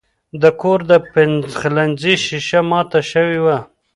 د کور د پخلنځي شیشه مات شوې وه.